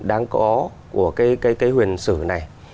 đáng có của cái huyền sử này